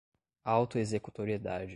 auto-executoriedade